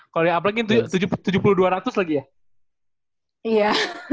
kalau yang aplikin tujuh puluh dua ratus lagi ya